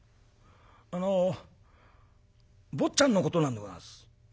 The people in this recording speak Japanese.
あの坊ちゃんのことなんでござんす。